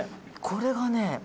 これがね